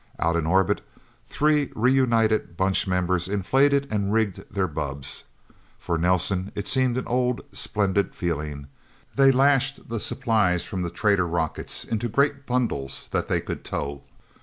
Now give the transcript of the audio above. Out in orbit, three reunited Bunch members inflated and rigged their bubbs. For Nelsen it seemed an old, splendid feeling. They lashed the supplies from the trader rockets into great bundles that they could tow.